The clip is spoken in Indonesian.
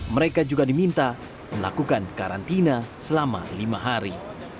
mereka juga diminta melakukan karantina selama lima hari